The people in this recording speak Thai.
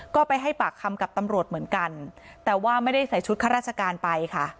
ก็ไปให้ปากคำกับตำรวจเหมือนกันแต่ว่าไม่ได้ใส่ชุดข้าราชการไปค่ะ